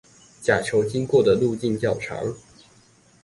甲球經過的路徑較長